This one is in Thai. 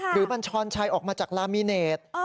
คือมันชอนชัยออกมาจากลามิเนต